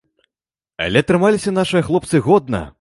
Але трымаліся нашыя хлопцы годна.